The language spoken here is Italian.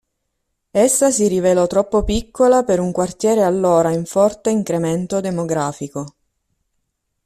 Essa si rivelò troppo piccola per un quartiere allora in forte incremento demografico.